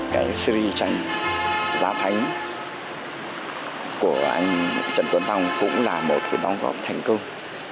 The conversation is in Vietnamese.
cái series tranh giá thánh của anh trần tuấn phong cũng là một cái đóng góp thành công